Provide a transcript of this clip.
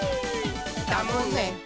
「だもんね」